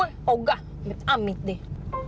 oh nggak amit amit deh